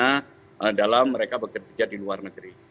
karena dalam mereka bekerja di luar negeri